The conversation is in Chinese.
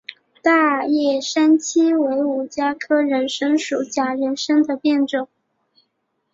大叶三七为五加科人参属假人参的变种。